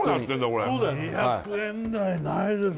これ２００円台ないですよ